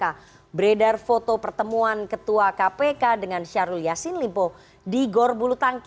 ada pak saud situmorang